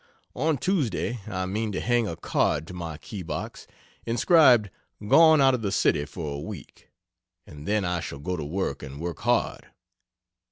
On Tuesday I mean to hang a card to my keybox, inscribed "Gone out of the City for a week" and then I shall go to work and work hard.